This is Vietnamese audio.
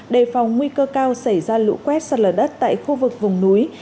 đề phòng nguy cơ cao xảy ra lũ quét sạt lở đất tại khu vực vùng núi